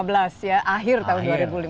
akhir tahun dua ribu lima belas